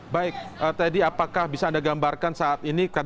baik teddy apakah bisa anda gambarkan saat ini